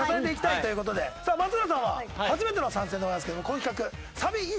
松浦さんは初めての参戦でございますけどもこの企画。